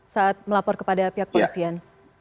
saat melapor kepada pihak polisian